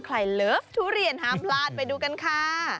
เลิฟทุเรียนห้ามพลาดไปดูกันค่ะ